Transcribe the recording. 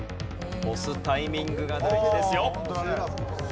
押すタイミングが大事ですよ。